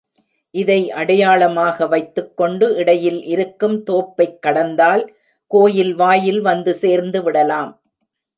இதை அடையாளமாக வைத்துக்கொண்டு இடையில் இருக்கும் தோப்பைக் கடந்தால் கோயில் வாயில் வந்து சேர்ந்து விடலாம்.